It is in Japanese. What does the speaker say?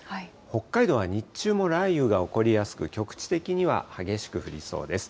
北海道は日中も雷雨が起こりやすく、局地的には激しく降りそうです。